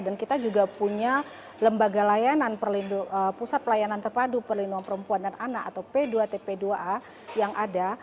dan kita juga punya lembaga layanan pusat pelayanan terpadu perlindungan perempuan dan anak atau p dua tp dua a yang ada